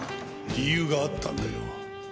理由があったんだよ。